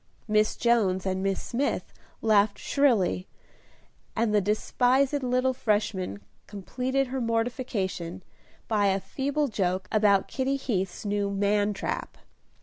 Miss Jones and Miss Smith laughed shrilly, and the despised little Freshman completed her mortification, by a feeble joke about Kitty Heath's new man trap.